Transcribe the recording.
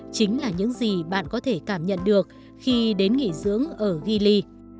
chính là những gì bạn có thể cảm nhận được khi đến nghỉ dưỡng ở gilley